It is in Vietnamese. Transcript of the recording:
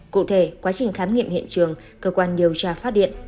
cụ thể quá trình khám nghiệm hiện trường cơ quan điều tra phát điện